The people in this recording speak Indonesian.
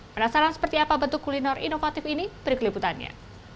penasaran seperti apa bentuk kuliner inovatif ini perikuliputannya